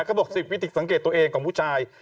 เขาบอก๑๐วิถีสังเกตตัวเองของผู้ชาย